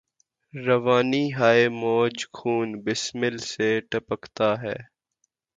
روانی ہاۓ موج خون بسمل سے ٹپکتا ہے